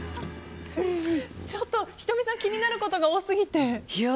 ちょっと仁美さん気になることが多すぎて。